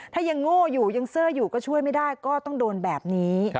ถ้ายังโง่อยู่ยังเซอร์อยู่ก็ช่วยไม่ได้ก็ต้องโดนแบบนี้